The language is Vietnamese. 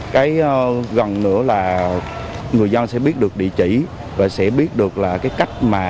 cái gần nữa là người dân sẽ biết được địa chỉ và sẽ biết được là cái cách mà